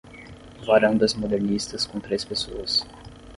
Varandas modernistas com três pessoas.